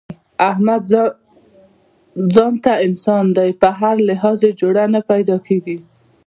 احمد ځانته انسان دی، په هر لحاظ یې جوړه نه پیداکېږي.